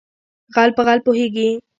ـ غل په غل پوهېږي.